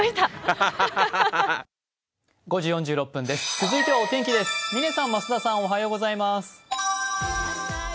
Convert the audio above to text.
続いてはお天気です、嶺さん増田さん、おはようございます。